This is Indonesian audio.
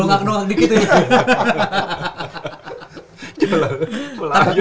nongak nongak dikit gitu ya